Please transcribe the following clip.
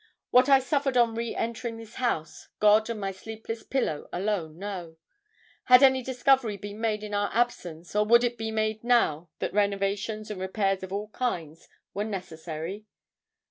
What I suffered on reentering this house, God and my sleepless pillow alone know. Had any discovery been made in our absence; or would it be made now that renovation and repairs of all kinds were necessary?